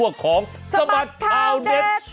สวัสดีครับสวัสดีครับ